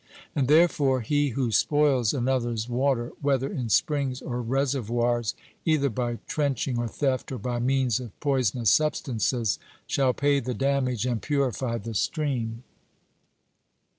And therefore he who spoils another's water, whether in springs or reservoirs, either by trenching, or theft, or by means of poisonous substances, shall pay the damage and purify the stream.